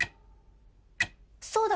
そうだ！